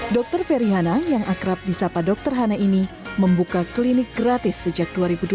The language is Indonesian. dokter ferry hana yang akrab di sapa dokter hana ini membuka klinik gratis sejak dua ribu dua belas